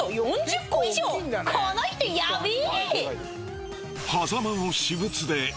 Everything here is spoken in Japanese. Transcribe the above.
この人ヤベェ！